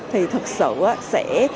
thì thật sự là một cái vấn đề rất là tốt